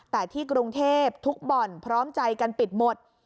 แต่ที่กรุงเทพทุกบ่อนพร้อมใจกันปิดหมด